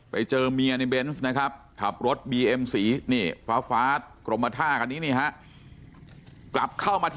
ไปเจอเมียในเบนซนะครับ